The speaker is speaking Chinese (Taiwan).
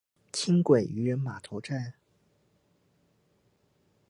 輕軌漁人碼頭站